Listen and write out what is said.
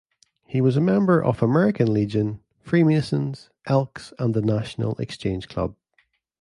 He was a member of American Legion, Freemasons, Elks, and the National Exchange Club.